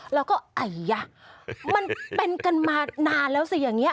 แล้วก็ไอยักษ์มันเป็นกันมานานแล้วสิอย่างนี้